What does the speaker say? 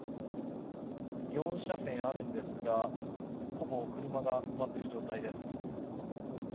４車線あるんですがほぼ車が埋まっている状態です。